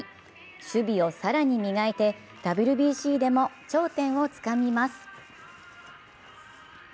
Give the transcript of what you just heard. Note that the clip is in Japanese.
守備を更に磨いて、ＷＢＣでも頂点をつかみます。